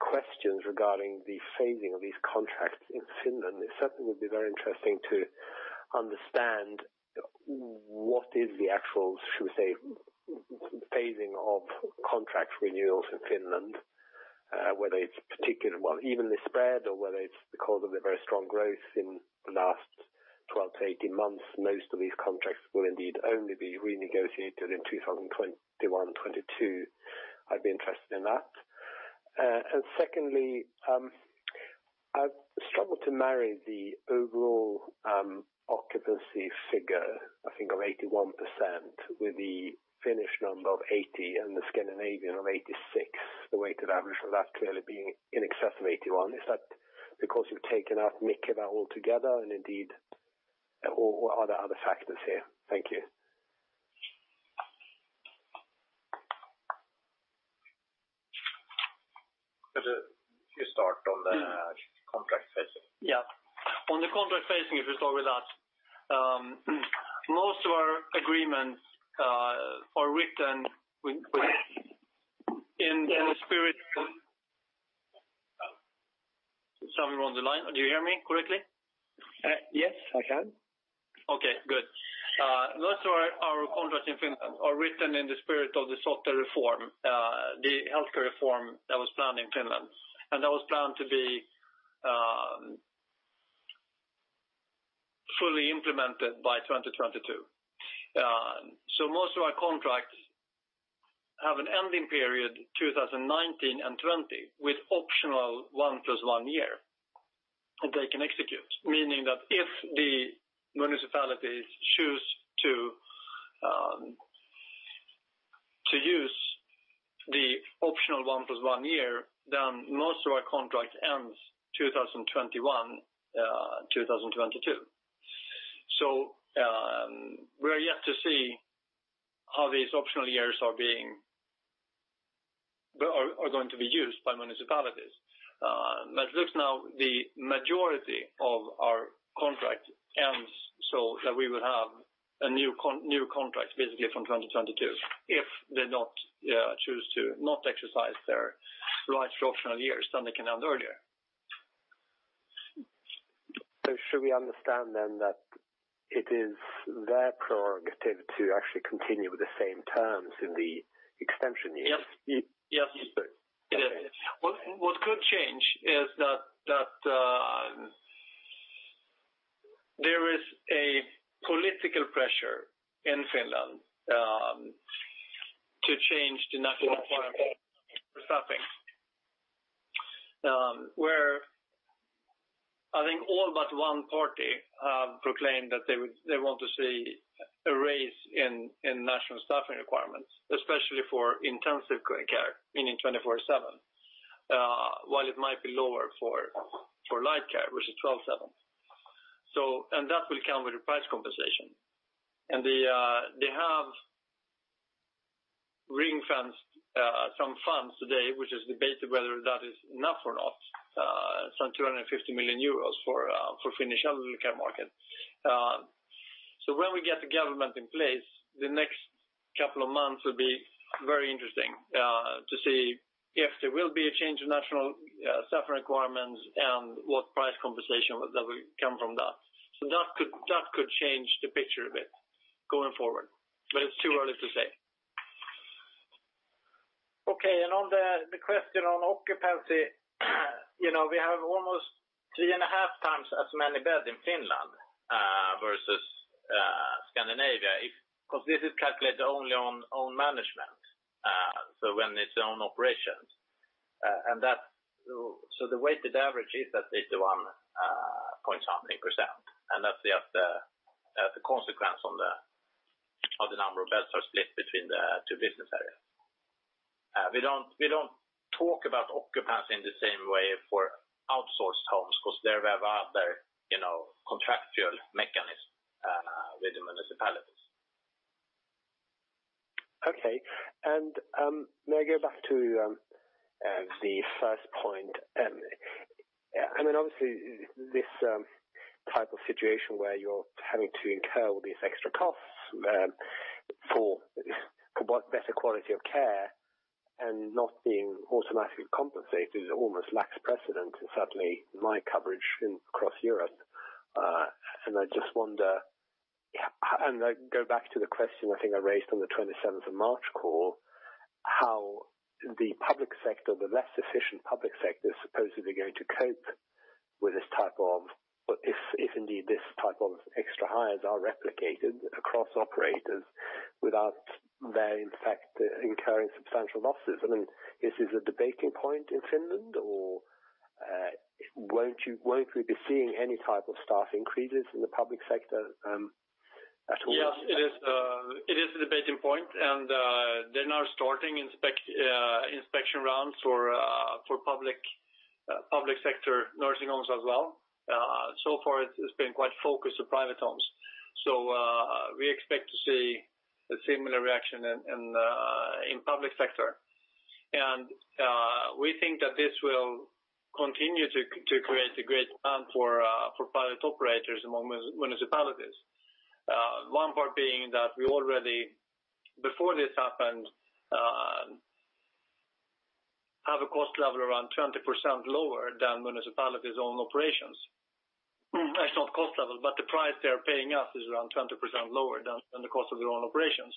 questions regarding the phasing of these contracts in Finland, it certainly would be very interesting to understand what is the actual, should we say, phasing of contract renewals in Finland whether it's particularly evenly spread or whether it's because of the very strong growth in the last 12 to 18 months, most of these contracts will indeed only be renegotiated in 2021/2022. I'd be interested in that. Secondly, I've struggled to marry the overall occupancy figure, I think of 81%, with the Finnish number of 80 and the Scandinavian of 86, the weighted average for that clearly being in excess of 81. Is that because you've taken out Mikeva altogether and indeed or are there other factors here? Thank you. You start on the contract phasing. Yeah. On the contract phasing, if you start with that. Most of our agreements are written in the spirit Someone on the line. Do you hear me correctly? Yes, I can. Okay, good. Most of our contracts in Finland are written in the spirit of the SOTE reform, the healthcare reform that was planned in Finland, and that was planned to be fully implemented by 2022. Most of our contracts have an ending period 2019 and 2020 with optional one plus one year that they can execute, meaning that if the municipalities choose to use the optional one plus one year, then most of our contracts ends 2021, 2022. We are yet to see how these optional years are going to be used by municipalities. It looks now the majority of our contract ends, so that we will have a new contract basically from 2022. If they choose to not exercise their rights to optional years, they can end earlier. Should we understand that it is their prerogative to actually continue with the same terms in the extension years? Yes. Okay. What could change is that there is a political pressure in Finland to change the national requirement for staffing. Where I think all but one party have proclaimed that they want to see a raise in national staffing requirements, especially for intensive care, meaning 24/7 while it might be lower for light care, which is 12/7. That will come with a price compensation. And they have some funds today, which is debated whether that is enough or not. Some 250 million euros for Finnish elderly care market. When we get the government in place, the next couple of months will be very interesting to see if there will be a change in national staff requirements and what price compensation that will come from that. That could change the picture a bit going forward, but it's too early to say. On the question on occupancy, we have almost three and a half times as many beds in Finland versus Scandinavia. Because this is calculated only on management, so when it's own operations. The weighted average is that 31 point something%, and that's the consequence of the number of beds are split between the two business areas. We don't talk about occupancy in the same way for outsourced homes because there we have other contractual mechanisms with the municipalities. May I go back to the first point, M? Obviously, this type of situation where you're having to incur all these extra costs for better quality of care and not being automatically compensated is almost lacks precedent, certainly my coverage across Europe. I go back to the question I think I raised on the 27th of March call, how the less efficient public sector is supposedly going to cope with this type of If indeed this type of extra hires are replicated across operators without their, in fact, incurring substantial losses. Is this a debating point in Finland or won't we be seeing any type of staff increases in the public sector at all? Yes, it is a debating point, and they are now starting inspection rounds for public sector nursing homes as well. Far, it's been quite focused to private homes. We expect to see a similar reaction in public sector. We think that this will continue to create a great plan for private operators among municipalities. One part being that we already, before this happened, have a cost level around 20% lower than municipalities' own operations. Not cost level, but the price they are paying us is around 20% lower than the cost of their own operations.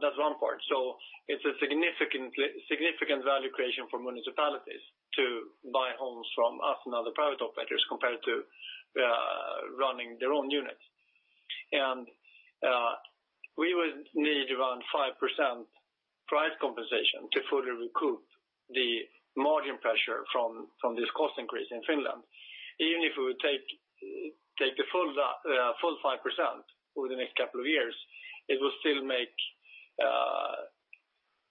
That's one part. It's a significant value creation for municipalities to buy homes from us and other private operators compared to running their own units. We would need around 5% price compensation to fully recoup the margin pressure from this cost increase in Finland. Even if we would take the full 5% over the next couple of years, it will still make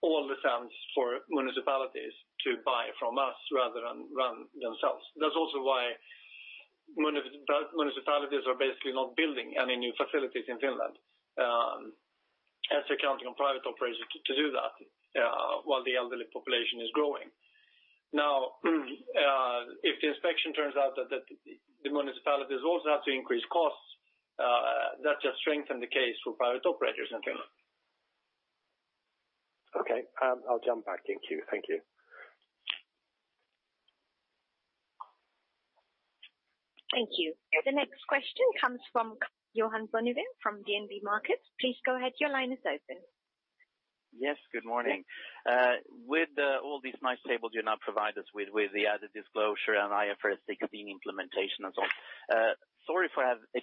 all the sense for municipalities to buy from us rather than run themselves. That is also why municipalities are basically not building any new facilities in Finland. That is accounting on private operators to do that while the elderly population is growing. Now, if the inspection turns out that the municipalities also have to increase costs, that just strengthen the case for private operators in Finland. Okay. I will jump back in queue. Thank you. Thank you. The next question comes from Johan Bonnevie from DNB Markets. Please go ahead. Your line is open. Yes, good morning. With all these nice tables you now provide us with the added disclosure on IFRS 16 implementation and so on. Sorry if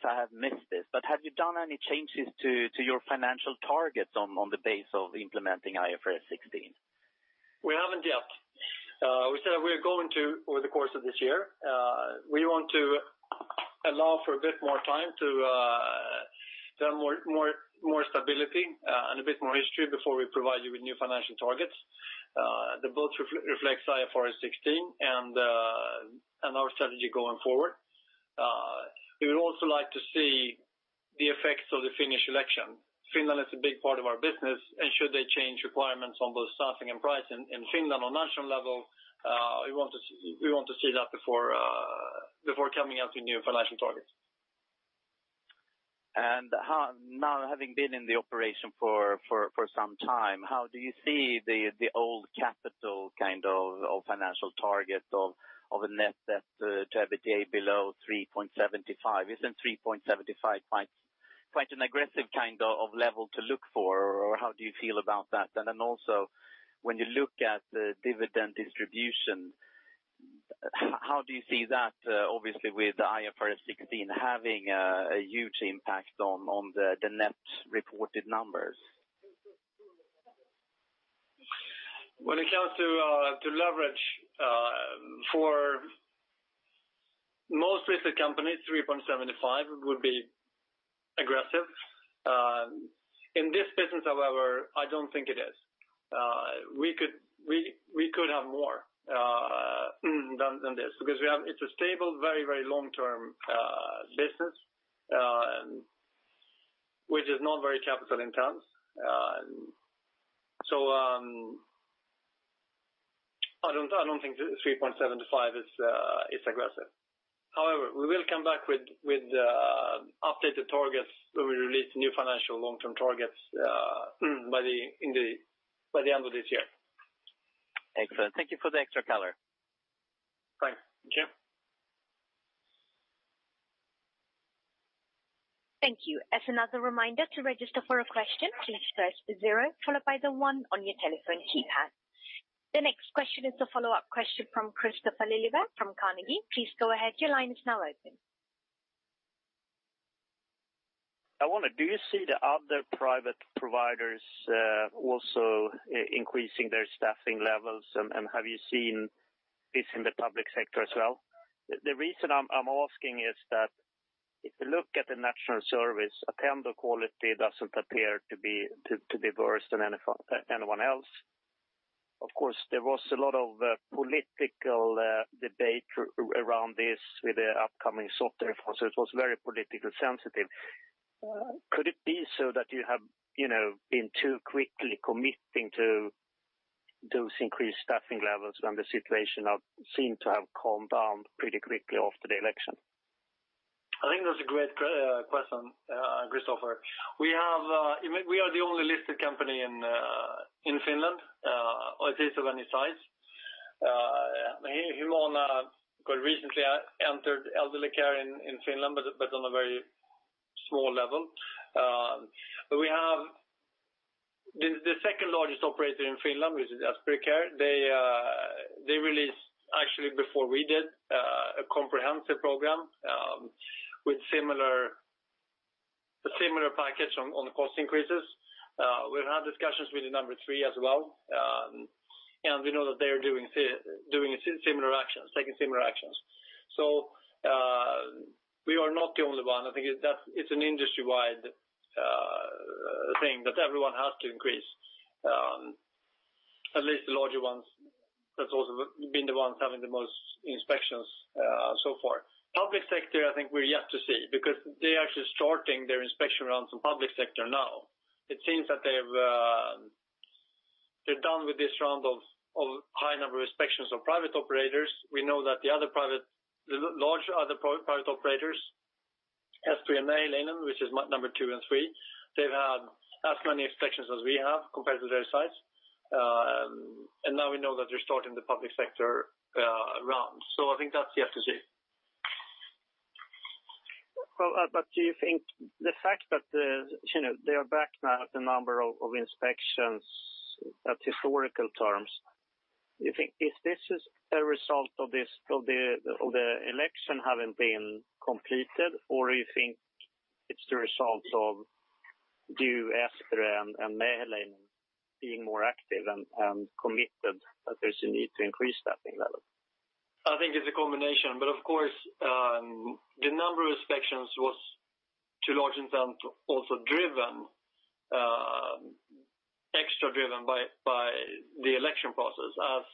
I have missed this, but have you done any changes to your financial targets on the base of implementing IFRS 16? We haven't yet. We said we are going to over the course of this year. We want to allow for a bit more time to have more stability and a bit more history before we provide you with new financial targets that both reflect IFRS 16 and our strategy going forward. We would also like to see the effects of the Finnish election. Finland is a big part of our business. Should they change requirements on both staffing and pricing in Finland on national level, we want to see that before coming out with new financial targets. Now having been in the operation for some time, how do you see the old capital kind of financial target of a net debt to EBITDA below 3.75? Isn't 3.75 quite an aggressive kind of level to look for, or how do you feel about that? When you look at the dividend distribution, how do you see that, obviously, with IFRS 16 having a huge impact on the net reported numbers? When it comes to leverage, for most listed companies, 3.75 would be aggressive. In this business, however, I don't think it is. We could have more than this because it's a stable, very long-term business, which is not very capital-intense. I don't think 3.75 is aggressive. However, we will come back with updated targets when we release new financial long-term targets by the end of this year. Excellent. Thank you for the extra color. Thanks. Jim? Thank you. As another reminder, to register for a question, please press the zero followed by the one on your telephone keypad. The next question is a follow-up question from Christoffer Ljungberg from Carnegie. Please go ahead. Your line is now open. I wonder, do you see the other private providers also increasing their staffing levels? Have you seen this in the public sector as well? The reason I'm asking is that if you look at the national service, Attendo quality doesn't appear to be worse than anyone else. Of course, there was a lot of political debate around this with the upcoming SOTE reform, so it was very politically sensitive. Could it be so that you have been too quickly committing to those increased staffing levels when the situation now seemed to have calmed down pretty quickly after the election? I think that's a great question, Christoffer. We are the only listed company in Finland, at least of any size. Humana quite recently entered elderly care in Finland, but on a very small level. The second largest operator in Finland, which is Esperi Care, they released, actually before we did, a comprehensive program with a similar package on the cost increases. We've had discussions with the number three as well. We know that they're taking similar actions. We are not the only one. I think it's an industry-wide thing that everyone has to increase. At least the larger ones that's also been the ones having the most inspections so far. Public sector, I think we're yet to see, because they're actually starting their inspection rounds in public sector now. It seems that they're done with this round of high-number inspections of private operators. We know that the large other private operators, Esperi and Mehiläinen, which is number two and three, they've had as many inspections as we have compared to their size. Now we know that they're starting the public sector round. I think that's yet to see. Do you think the fact that they are back now at the number of inspections at historical terms, do you think if this is a result of the election having been completed, or you think it's the result of you, Esperi, and Mehiläinen being more active and committed that there's a need to increase staffing level? I think it's a combination, of course, the number of inspections was to a large extent also extra driven by the election process as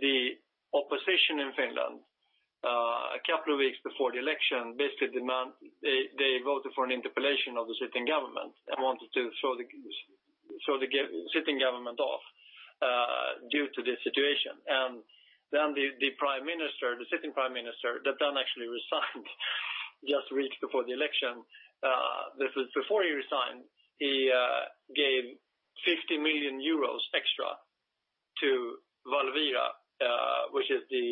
the opposition in Finland, a couple of weeks before the election, they voted for an interpellation of the sitting government and wanted to throw the sitting government off due to this situation. The sitting prime minister, that then actually resigned just weeks before the election. This was before he resigned, he gave 50 million euros extra to Valvira, which is the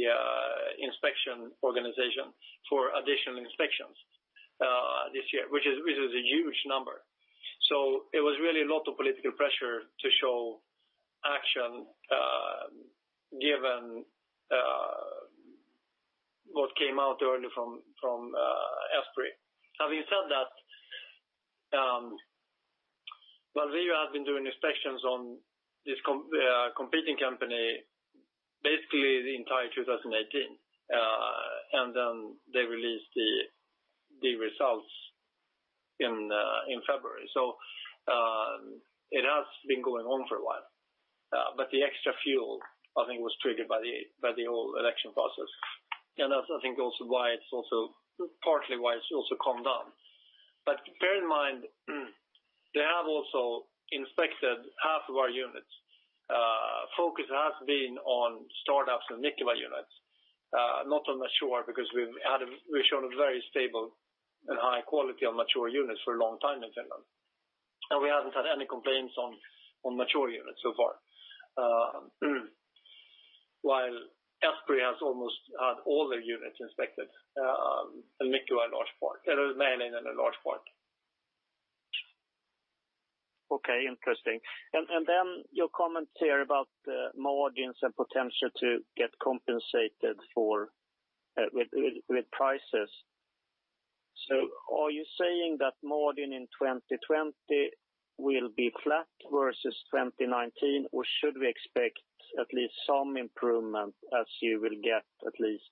inspection organization for additional inspections this year, which is a huge number. It was really a lot of political pressure to show action given what came out early from Esperi. Having said that, Valvira has been doing inspections on this competing company, basically the entire 2018. They released the results in February. It has been going on for a while. The extra fuel, I think, was triggered by the whole election process. That's I think also partly why it's also calmed down. Bear in mind, they have also inspected half of our units. Focus has been on startups and Nikkilä units. Not on mature because we've shown a very stable and high quality of mature units for a long time in Finland. We haven't had any complaints on mature units so far. While Esperi has almost had all their units inspected, and Mehiläinen a large part. Okay. Interesting. Your comments here about margins and potential to get compensated with prices. Are you saying that margin in 2020 will be flat versus 2019, or should we expect at least some improvement as you will get at least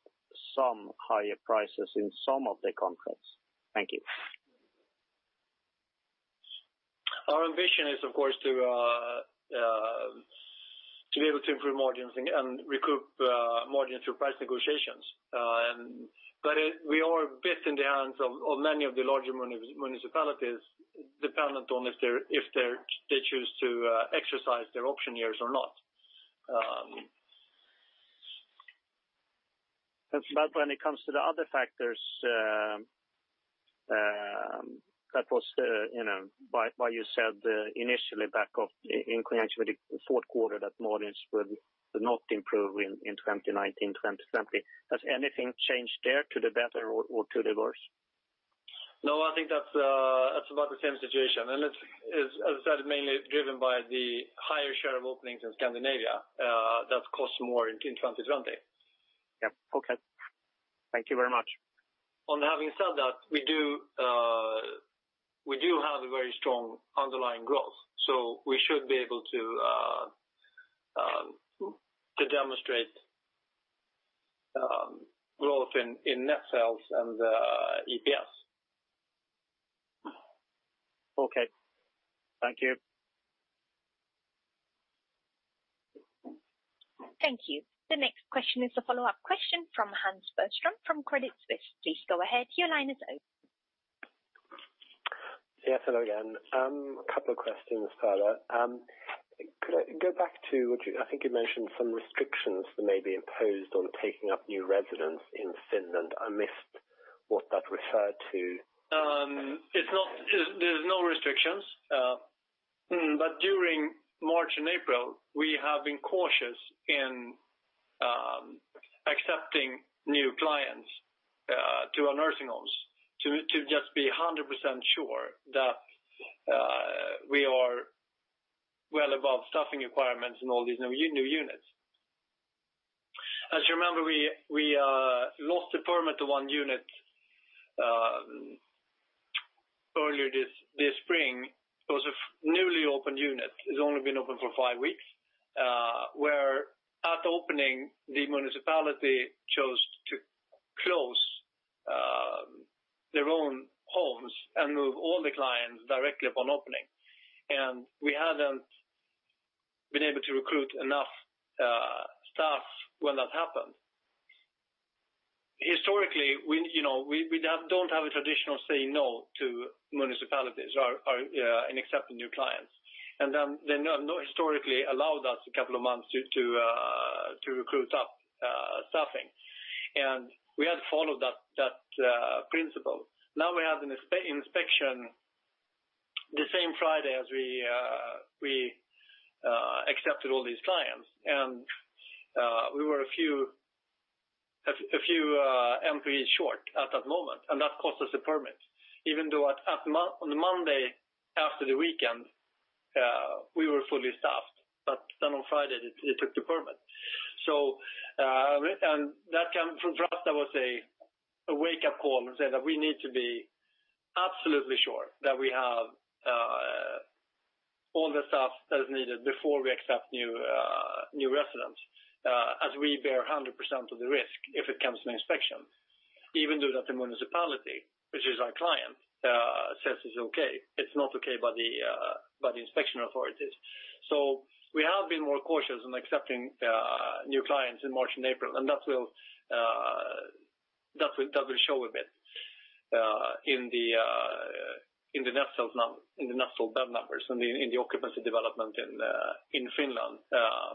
some higher prices in some of the contracts? Thank you. Our ambition is, of course, to be able to improve margins and recoup margin through price negotiations. We are a bit in the hands of many of the larger municipalities, dependent on if they choose to exercise their option years or not. When it comes to the other factors that was why you said initially back in connection with the fourth quarter that margins would not improve in 2019, 2020. Has anything changed there to the better or to the worse? No, I think that's about the same situation. As I said, mainly driven by the higher share of openings in Scandinavia that cost more in 2020. Yeah. Okay. Thank you very much. On having said that, we do have a very strong underlying growth, so we should be able to demonstrate growth in net sales and EPS. Okay. Thank you. Thank you. The next question is a follow-up question from Hans-Erik Bergstrom from Credit Suisse. Please go ahead. Your line is open. Yes. Hello again. A couple of questions, Tage. Could I go back to I think you mentioned some restrictions that may be imposed on taking up new residents in Finland. I missed what that referred to. There is no restrictions. During March and April, we have been cautious in accepting new clients to our nursing homes to just be 100% sure that we are well above staffing requirements in all these new units. As you remember, we lost a permit to one unit earlier this spring. It was a newly opened unit. It has only been open for five weeks, where at opening, the municipality chose to close their own homes and move all the clients directly upon opening. We had not been able to recruit enough staff when that happened. Historically, we do not have a traditional say no to municipalities in accepting new clients. They historically allowed us a couple of months to recruit up staffing. We had followed that principle. Now we have an inspection the same Friday as we accepted all these clients. We were a few employees short at that moment, and that cost us a permit. Even though on the Monday after the weekend we were fully staffed, on Friday they took the permit. That for us was a wake-up call and say that we need to be absolutely sure that we have all the staff that is needed before we accept new residents as we bear 100% of the risk if it comes to an inspection. Even though that the municipality, which is our client says it is okay, it is not okay by the inspection authorities. We have been more cautious in accepting new clients in March and April, and that will show a bit in the net sales bed numbers in the occupancy development in Finland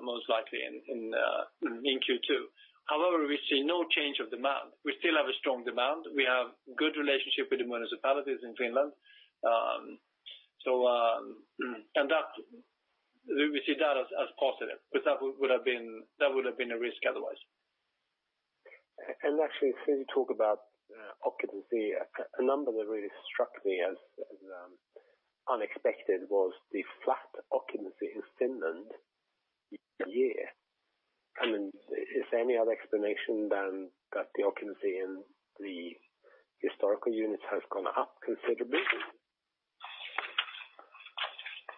most likely in Q2. However, we see no change of demand. We still have a strong demand. We have good relationship with the municipalities in Finland. We see that as positive, because that would have been a risk otherwise. Since you talk about occupancy, a number that really struck me as unexpected was the flat occupancy in Finland year. Is there any other explanation than that the occupancy in the historical units has gone up considerably?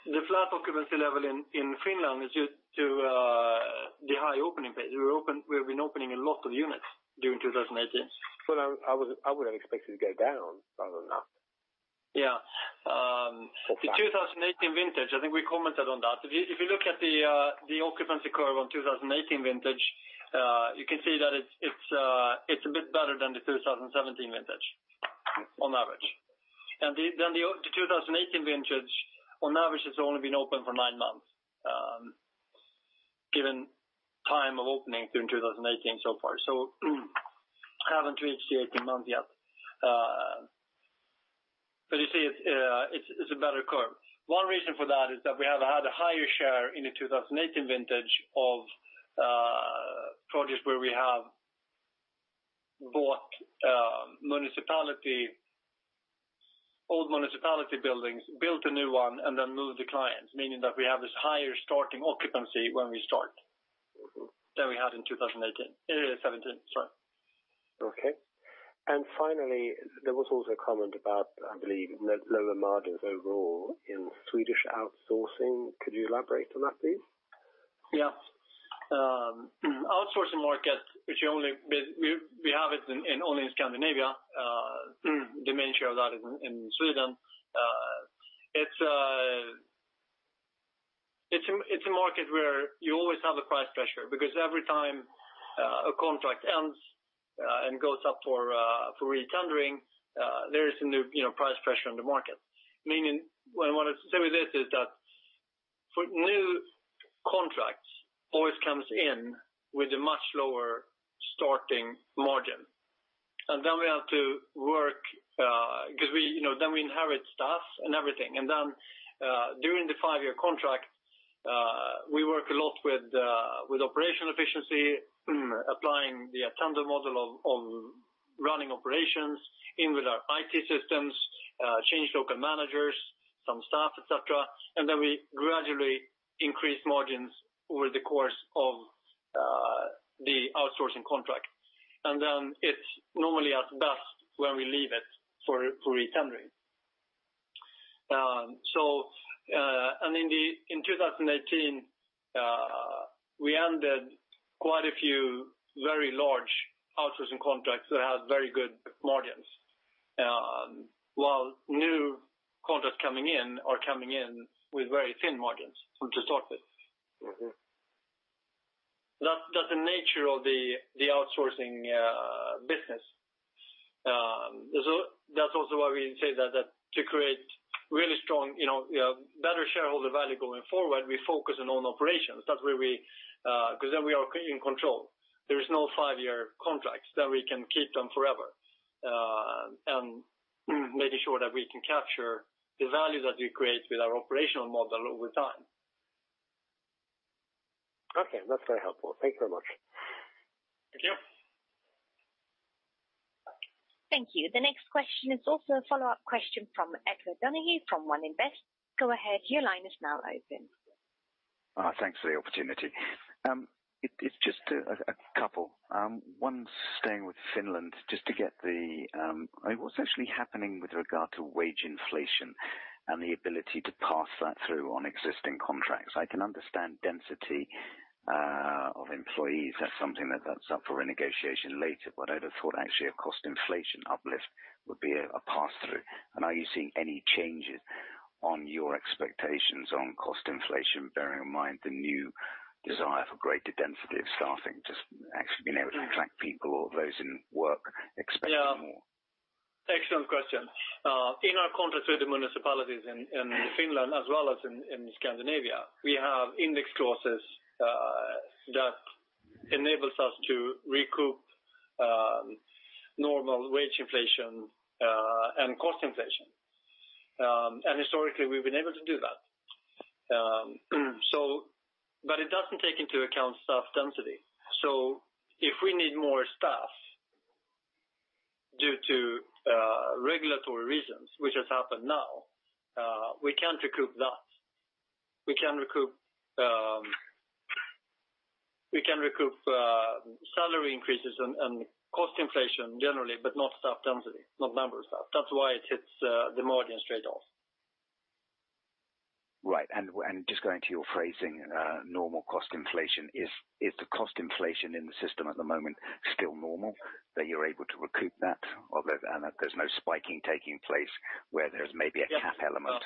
The flat occupancy level in Finland is due to the high opening. We've been opening a lot of units during 2018. I would have expected it to go down rather than up. Yeah. The 2018 vintage, I think we commented on that. If you look at the occupancy curve on 2018 vintage you can see that it's a bit better than the 2017 vintage on average. The 2018 vintage on average has only been open for nine months given time of opening during 2018 so far. Haven't reached the 18 month yet. You see it's a better curve. One reason for that is that we have had a higher share in the 2018 vintage of projects where we have bought old municipality buildings, built a new one and then moved the clients, meaning that we have this higher starting occupancy when we start than we had in 2017, sorry. Okay. Finally, there was also a comment about, I believe, lower margins overall in Swedish outsourcing. Could you elaborate on that, please? Yeah. Outsourcing market, we have it only in Scandinavia. The main share of that is in Sweden. It's a market where you always have the price pressure, because every time a contract ends and goes up for retendering, there is a new price pressure on the market. Meaning, what I want to say with this is that for new contracts, always comes in with a much lower starting margin. We have to work, because then we inherit staff and everything, and then during the five-year contract, we work a lot with operational efficiency, applying the Attendo model of running operations in with our IT systems, change local managers, some staff, et cetera. We gradually increase margins over the course of the outsourcing contract. It's normally at best when we leave it for retendering. In 2018, we ended quite a few very large outsourcing contracts that had very good margins, while new contracts coming in are coming in with very thin margins to start with. That's the nature of the outsourcing business. That's also why we say that to create really strong, better shareholder value going forward, we focus on operations. Because then we are in control. There is no five-year contracts that we can keep them forever, and making sure that we can capture the value that we create with our operational model over time. Okay. That's very helpful. Thank you very much. Thank you. Thank you. The next question is also a follow-up question from Edward Donahue from One Invest. Go ahead, your line is now open. Thanks for the opportunity. It's just a couple. One, staying with Finland, just to get the What's actually happening with regard to wage inflation and the ability to pass that through on existing contracts? I can understand density of employees. That's something that's up for renegotiation later, but I'd have thought actually a cost inflation uplift would be a pass-through. Are you seeing any changes on your expectations on cost inflation, bearing in mind the new desire for greater density of staffing, just actually being able to attract people or those in work expecting more? Yeah. Excellent question. In our contracts with the municipalities in Finland as well as in Scandinavia, we have index clauses that enables us to recoup normal wage inflation and cost inflation. Historically, we've been able to do that. It doesn't take into account staff density. If we need more staff due to regulatory reasons, which has happened now, we can't recoup that. We can recoup salary increases and cost inflation generally, but not staff density, not number of staff. That's why it hits the margins straight off. Right. Just going to your phrasing, normal cost inflation. Is the cost inflation in the system at the moment still normal, that you're able to recoup that, and that there's no spiking taking place where there's maybe a cap element?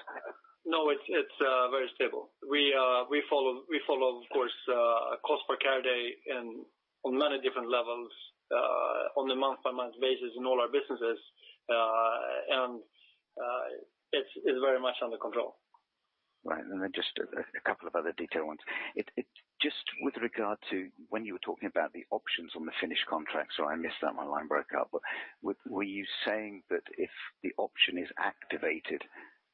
No, it's very stable. We follow, of course, cost per care day on many different levels, on the month-by-month basis in all our businesses. It's very much under control. Right. Then just a couple of other detailed ones. Just with regard to when you were talking about the options on the Finnish contracts, sorry I missed that, my line broke up, but were you saying that if the option is activated,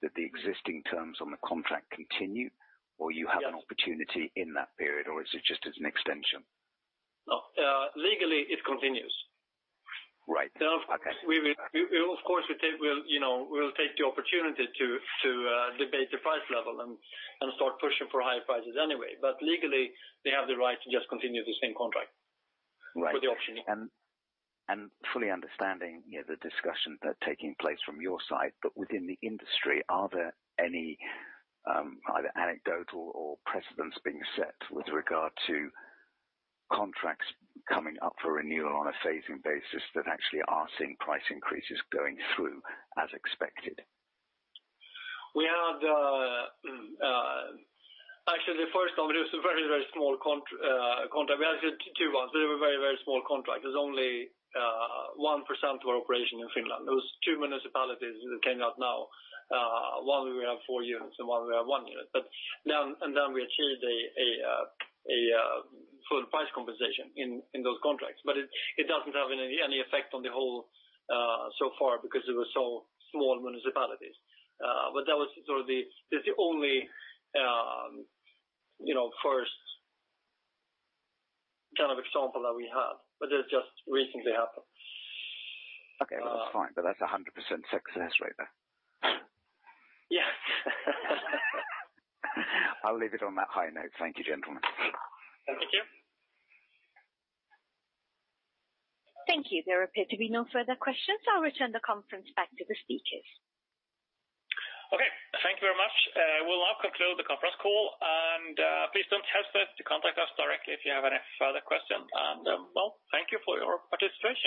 that the existing terms on the contract continue? Or you have Yes an opportunity in that period, or is it just as an extension? No. Legally, it continues. Right. Okay. Of course, we'll take the opportunity to debate the price level and start pushing for higher prices anyway. Legally, they have the right to just continue the same contract. Right with the option. Fully understanding the discussions that are taking place from your side, but within the industry, are there any either anecdotal or precedents being set with regard to contracts coming up for renewal on a phasing basis that actually are seeing price increases going through as expected? Actually, the first one, but it was a very, very small contract. We actually had two ones. They were very, very small contracts. It was only 1% of our operation in Finland. Those two municipalities that came out now, one we have four units and one we have one unit. Then we achieved a full price compensation in those contracts. It doesn't have any effect on the whole so far because they were so small municipalities. That's the only first kind of example that we have. It has just recently happened. Okay. Well, that's fine. That's 100% success rate then. Yes. I'll leave it on that high note. Thank you, gentlemen. Thank you. Thank you. There appear to be no further questions. I'll return the conference back to the speakers. Okay. Thank you very much. We'll now conclude the conference call. Please don't hesitate to contact us directly if you have any further questions. Well, thank you for your participation.